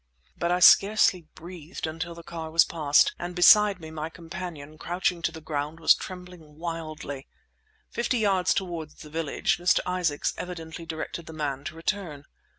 But I scarcely breathed until the car was past; and, beside me, my companion, crouching to the ground, was trembling wildly. Fifty yards toward the village Mr. Isaacs evidently directed the man to return.